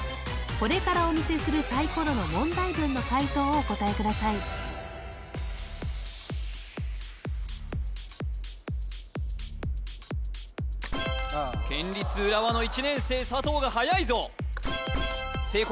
これからお見せするサイコロの問題文の解答をお答えください県立浦和の１年生佐藤がはやいぞ聖光